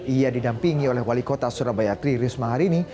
ia didampingi oleh wali kota surabaya tri risma harini